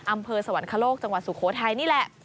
สวรรคโลกจังหวัดสุโขทัยนี่แหละ